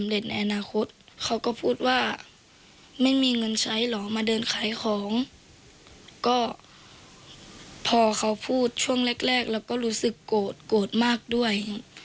เราก็รู้สึกโกรธโกรธมากด้วย